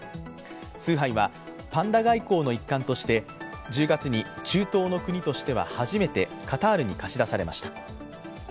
スーハイは、パンダ外交の一環として中東の国としては初めてカタールに貸し出されました。